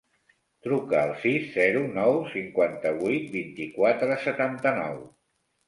Truca al sis, zero, nou, cinquanta-vuit, vint-i-quatre, setanta-nou.